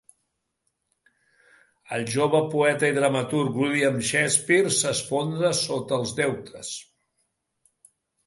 El jove poeta i dramaturg William Shakespeare s'esfondra sota els deutes.